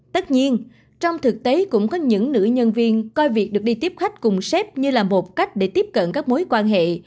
tất nhiên trong thực tế cũng có những nữ nhân viên coi việc được đi tiếp khách cùng xếp như là một cách để tiếp cận các mối quan hệ